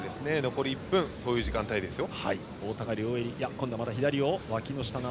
残り１分、そういう時間帯ですよ。